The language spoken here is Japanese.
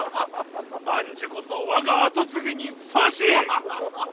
万寿こそ我が跡継ぎにふさわしい！